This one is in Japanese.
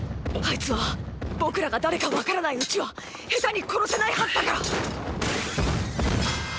あいつは僕らが誰か分からないうちはヘタに殺せないはずだから。